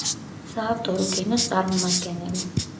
საავტორო კინოს წარმომადგენელი.